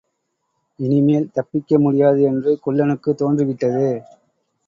இனிமேல் தப்பிக்க முடியாது என்று குள்ளனுக்குத் தோன்றிவிட்டது.